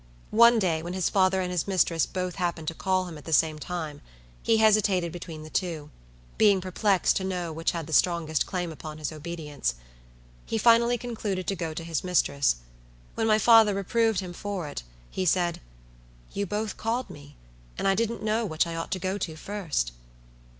One day, when his father and his mistress both happened to call him at the same time, he hesitated between the two; being perplexed to know which had the strongest claim upon his obedience. He finally concluded to go to his mistress. When my father reproved him for it, he said, "You both called me, and I didn't know which I ought to go to first."